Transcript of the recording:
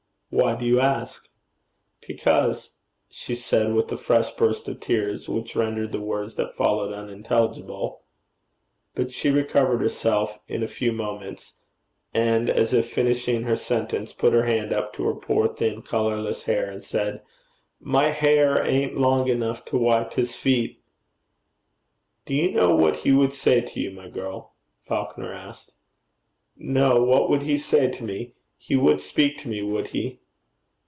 'Why do you ask?' 'Because ' she said, with a fresh burst of tears, which rendered the words that followed unintelligible. But she recovered herself in a few moments, and, as if finishing her sentence, put her hand up to her poor, thin, colourless hair, and said, 'My hair ain't long enough to wipe his feet.' 'Do you know what he would say to you, my girl?' Falconer asked. 'No. What would he say to me? He would speak to me, would he?'